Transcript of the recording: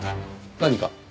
何か？